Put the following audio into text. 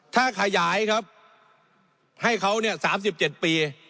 ถ้าขยายครับให้เขาเนี่ย๓๗ปี